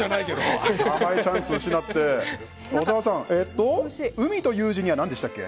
小沢さん、海という字には何でしたっけ？